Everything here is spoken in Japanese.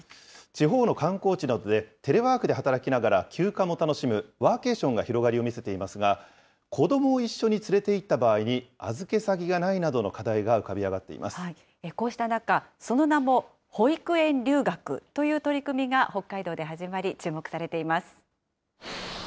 地方の観光地などでテレワークで働きながら、休暇も楽しむワーケーションが広がりを見せていますが、子どもを一緒に連れて行った場合に、預け先がないなどの課題が浮かび上がこうした中、その名も、保育園留学という取り組みが北海道で始まり、注目されています。